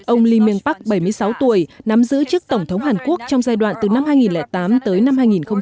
ông lee miên park bảy mươi sáu tuổi nắm giữ chức tổng thống hàn quốc trong giai đoạn từ năm hai nghìn tám tới năm hai nghìn một mươi